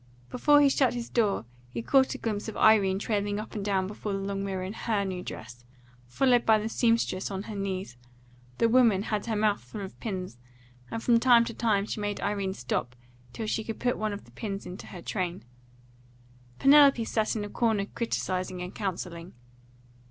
Before he shut his door he caught a glimpse of Irene trailing up and down before the long mirror in HER new dress, followed by the seamstress on her knees; the woman had her mouth full of pins, and from time to time she made Irene stop till she could put one of the pins into her train; Penelope sat in a corner criticising and counselling.